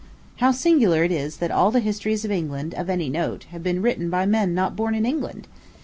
How singular it is that all the histories of England, of any note, have been written by men not born in England!